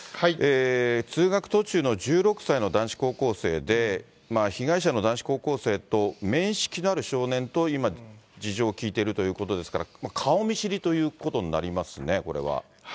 通学途中の１６歳の男子高校生で、被害者の男子高校生と面識のある少年と、今、事情を聴いているということですが、顔見知りということになりますね、これは。